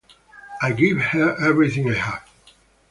I give her everything I have.